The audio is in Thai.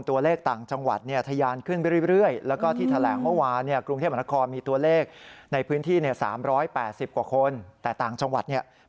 ตัวเลขต่างจังหวัดทยานขึ้นเรื่อย